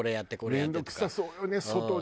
面倒くさそうよね外で。